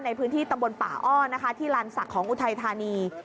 ในพื้นที่ตำบลป่าอ้อนที่รันสักของอุทัยธานี